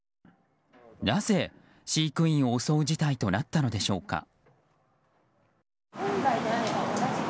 なぜ飼育員を襲う事態となったのでしょうか。